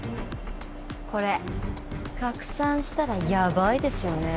これ拡散したらやばいですよね。